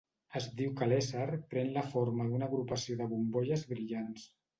Es diu que l'ésser pren la forma d'una agrupació de bombolles brillants.